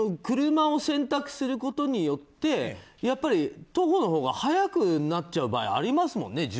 車を選択することによって徒歩のほうが早くなっちゃう場合ありますもんね。